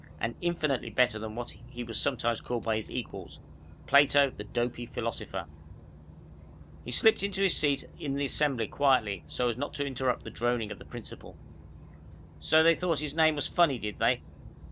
And infinitely better than what he was sometimes called by his equals "Plato, the dopy philosopher." He slipped into his seat in the Assembly quietly, so as not to interrupt the droning of the principal. So they thought his name was funny, did they?